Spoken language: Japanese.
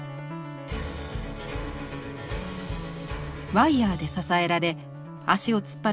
ワイヤーで支えられ足を突っ張る